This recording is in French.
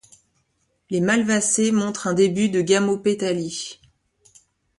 Les Malvacées montrent un début de gamopétalie.